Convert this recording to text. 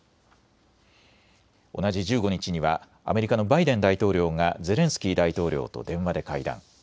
同じ１５日にはアメリカのバイデン大統領がゼレンスキー大統領と電話で会談。